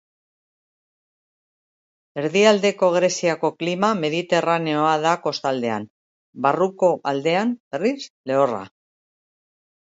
Erdialdeko Greziako klima mediterraneoa da kostaldean; barruko aldean, berriz, lehorra.